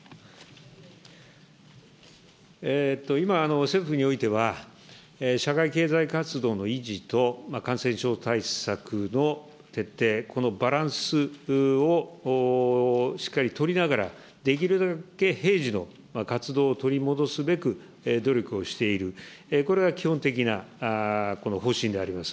今、政府においては、社会経済活動の維持と、感染症対策の徹底、このバランスをしっかり取りながら、できるだけ平時の活動を取り戻すべく努力をしている、これが基本的なこの方針であります。